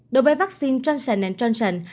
đối với vaccine johnson johnson